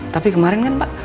tapi kemarin kan pak